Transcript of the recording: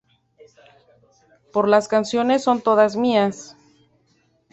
Pero las canciones son todas mías.